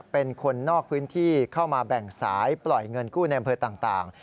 เป็นคนนอกพื้นที่เข้ามาแบ่งสายปล่อยเงินกู้ในอำเภอต่าง